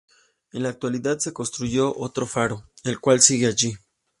En la actualidad, se construyó otro faro, el cual sigue allí.